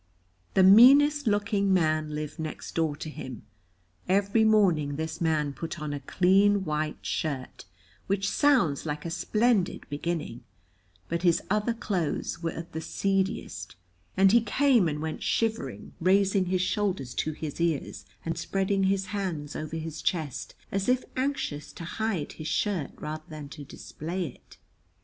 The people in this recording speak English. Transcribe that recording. The meanest looking man lived next door to him. Every morning this man put on a clean white shirt, which sounds like a splendid beginning, but his other clothes were of the seediest, and he came and went shivering, raising his shoulders to his ears and spreading his hands over his chest as if anxious to hide his shirt rather than to display it.